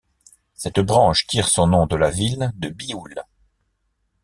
Cette branche tire son nom de la ville de Bioule.